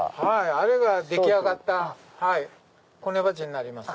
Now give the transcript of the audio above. あれが出来上がったこね鉢になります。